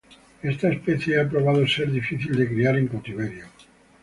Esta especie ha probado ser difícil de criar en cautiverio.